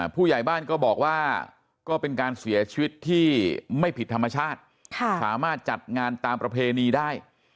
ผู้ใหญ่บ้านก็บอกว่าก็เป็นการเสียชีวิตที่ไม่ผิดธรรมชาติสามารถจัดงานตามประเพณีได้